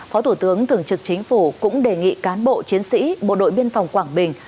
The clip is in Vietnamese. phó thủ tướng thường trực chính phủ cũng đề nghị cán bộ chiến sĩ bộ đội biên phòng quảng bình